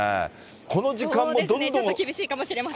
ちょっと厳しいかもしれません。